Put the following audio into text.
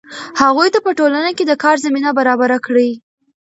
هغوی ته په ټولنه کې د کار زمینه برابره کړئ.